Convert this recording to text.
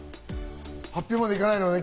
発表まで行かないのね？